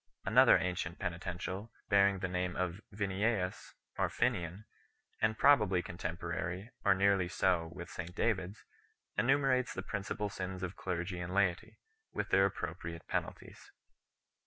Another ancient penitential, bearing the name of Vinniaus or Finian 4 , and probably contemporary, or nearly so, with St David s, enumerates the principal sins of clergy and laity, with their appropriate penalties.